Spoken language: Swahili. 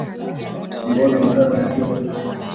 Kongolo njala inaingi iyi mashiku